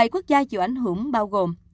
bảy quốc gia chịu ảnh hưởng bao gồm